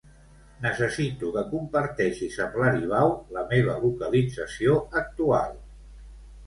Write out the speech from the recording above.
Necessito que comparteixis amb l'Aribau la meva localització actual.